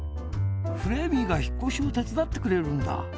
フレーミーがひっこしをてつだってくれるんだ。